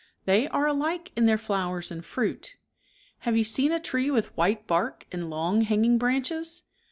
They are alike in their flowers and fruit Have you seen a tree with white bark and long, hanging branches